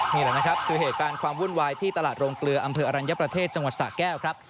นี่แหละนะครับคือเหตุการณ์ความวุ่นวายที่ตลาดโรงเกลืออำเภออรัญญประเทศจังหวัดสะแก้วครับ